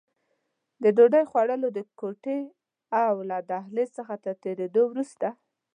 د ډوډۍ خوړلو د کوټې او له دهلېز څخه تر تېرېدو وروسته.